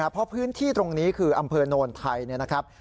เพราะพื้นที่ตรงนี้คืออำเภอโนนไทยนะครับ